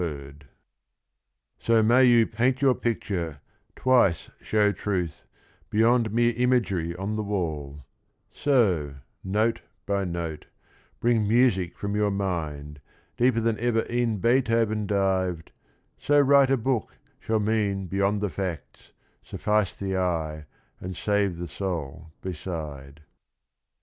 THE BOOK AND THE RING 211 So may you paint your picture, twice show truth, Beyond mere imagery on the wall, — So, note by note, bring music from your mind, Deeper than ever e'en Beethoven dived, — So write a book shall mean beyond the facts, Suffice the eye and save the soul beside.